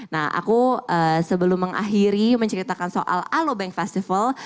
nah aku sebelum mengakhiri menceritakan soal alobank festival